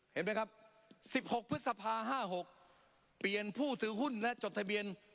เห็นไหมครับ๑๖พฤษภา๕๖เปลี่ยนผู้ถือหุ้นและจดทะเบียน